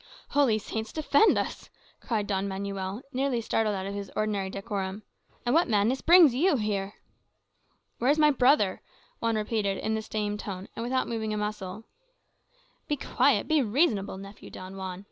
"Holy Saints defend us!" cried Don Manuel, nearly startled out of his ordinary decorum. "And what madness brings you here?" "Where is my brother?" Juan repeated, in the same tone, and without moving a muscle. "Be quiet be reasonable, nephew Don Juan.